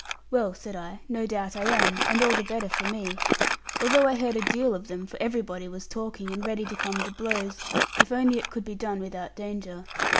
'Well,' said I, 'no doubt but I am, and all the better for me. Although I heard a deal of them; for everybody was talking, and ready to come to blows; if only it could be done without danger.